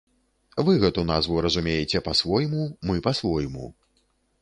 Вы гэту назву разумееце па-свойму, мы па-свойму.